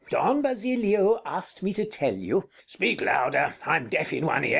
]_ Don Basilio asked me to tell you Bartolo Speak louder. I'm deaf in one ear.